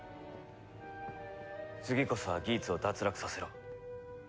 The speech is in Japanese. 次こそはギーツを脱落させろ。